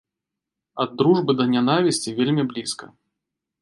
Ад дружбы да нянавісці вельмі блізка.